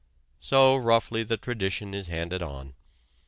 So roughly the tradition is handed on.